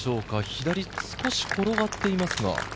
左、少し転がっています。